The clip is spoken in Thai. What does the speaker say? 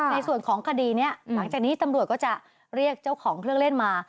ในส่วนของคดีนี้หลังจากนี้ตำรวจก็จะเรียกเจ้าของเครื่องเล่นมา